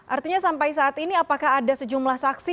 artinya sampai saat ini apakah ada sejumlah saksi